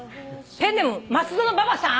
ペンネーム松戸のババさん。